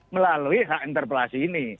melalui hak interpelasi ini